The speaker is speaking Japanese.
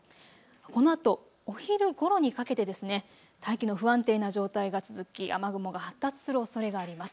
このあとお昼ごろにかけて大気の不安定な状態が続き雨雲が発達するおそれがあります。